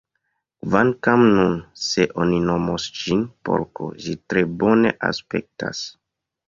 Kvankam nun, se oni nomos ĝin porko, ĝi tre bone aspektas.